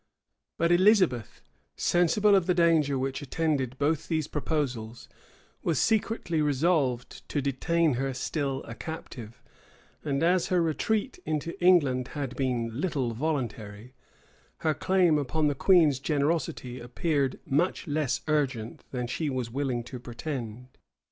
But Elizabeth, sensible of the danger which attended both these proposals, was secretly resolved to detain her still a captive; and as her retreat into England had been little voluntary, her claim upon the queen's generosity appeared much less urgent than she was willing to pretend.